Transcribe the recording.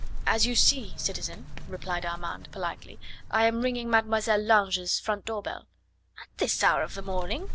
"As you see, citizen," replied Armand politely, "I am ringing Mademoiselle Lange's front door bell." "At this hour of the morning?"